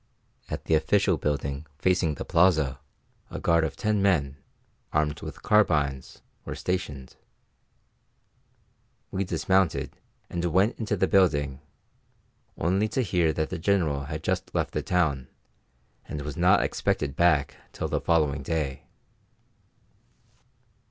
At the official building facing the plaza a guard of ten men, armed with carbines, was stationed. We dismounted and went into the building, only to hear that the General had just left the town, and was not expected back till the following day.